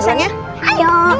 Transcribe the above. masuk dulu shay